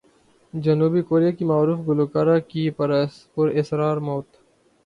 جنوبی کوریا کی معروف گلوکارہ کی پر اسرار موت